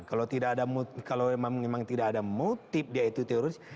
kalau memang tidak ada motif dia itu teroris